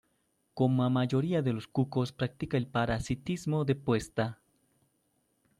Como a mayoría de los cucos practica el parasitismo de puesta.